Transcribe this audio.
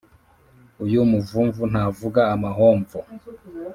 uyu muvumvu ntavuga amahomvo